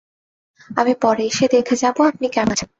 আমি পরে এসে দেখে যাব আপনক কেমন আছেন।